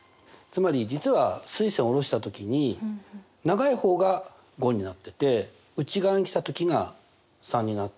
つまり実は垂線を下ろした時に長い方が５になってて内側にきた時が３になってるわけ。